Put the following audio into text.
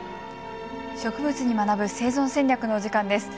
「植物に学ぶ生存戦略」のお時間です。